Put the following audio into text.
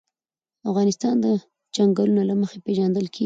افغانستان د چنګلونه له مخې پېژندل کېږي.